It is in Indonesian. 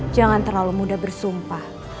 jangan terlalu mudah bersumpah